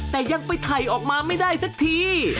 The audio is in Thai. แต่ยังไปถ่ายออกมาไม่ได้สักที